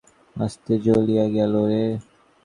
বিনয় কোনো কথা না বলিয়া আস্তে আস্তে চলিয়া গেল।